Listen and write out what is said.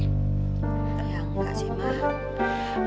ya enggak sih mak